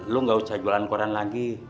lu gak usah jualan koran lagi